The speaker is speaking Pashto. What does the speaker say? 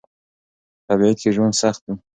په تبعيد کې ژوند سخت و.